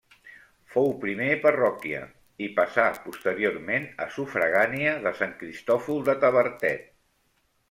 Fou primer parròquia i passà posteriorment a sufragània de Sant Cristòfol de Tavertet.